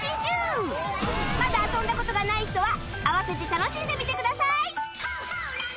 まだ遊んだ事がない人は合わせて楽しんでみてください